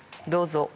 どうぞ。